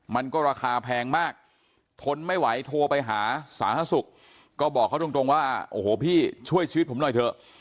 มันก็ราคาแพงมากทนไม่ไหวโทรไปหาสาธารณสุขก็บอกเขาตรงว่าโอ้โหพี่ช่วยชีวิตผมหน่อยเถอะ